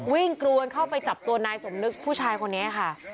กรวนเข้าไปจับตัวนายสมนึกผู้ชายคนนี้ค่ะ